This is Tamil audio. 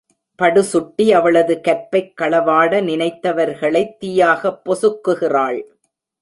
படுசுட்டி அவளது கற்பைக் களவாட நினைத்தவர்களைத் தீயாகப் பொசுக்குகிறாள்.